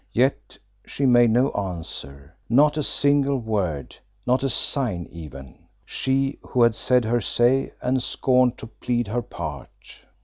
Yet she made no answer, not a single word, not a sign even; she who had said her say and scorned to plead her part.